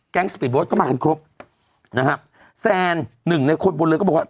แก๊งก็มากันครบนะฮะแซนหนึ่งในคนบนเรือก็บอกว่า